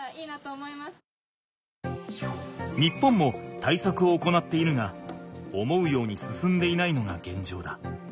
日本も対策を行っているが思うように進んでいないのがげんじょうだ。